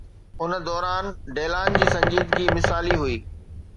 ان دوران، ڊيلان جي سنجيدگي مثالي هئي.